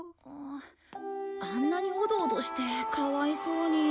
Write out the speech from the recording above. あんなにオドオドしてかわいそうに。